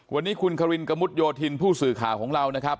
วันนี้คุณครินกระมุดโยธินผู้สื่อข่าวของเรานะครับ